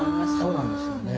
そうなんですよね。